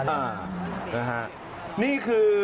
อ่านะฮะนี่คือ